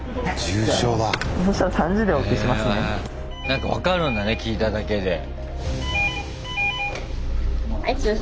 なんか分かるんだね聞いただけで。